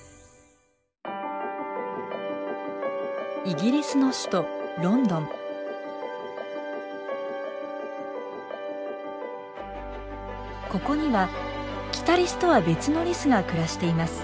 イギリスの首都ここにはキタリスとは別のリスが暮らしています。